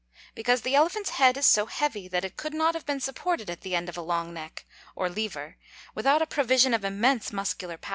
_ Because the elephant's head is so heavy, that it could not have been supported at the end of a long neck (or lever), without a provision of immense muscular power.